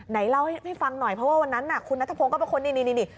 ไหนเล่าให้ฟังหน่อยเพราะวันนั้นน่ะคุณนัทธพงศ์ก็เป็นคนนี่นี่นี่